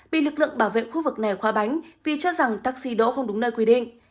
bị lực lượng bảo vệ khu vực này khóa bánh vì cho rằng taxi đỗ không đúng nơi quy định